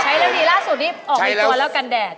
ใช้แล้วดีล่ะส่วนที่ออกมีธวนแล้วกันแดด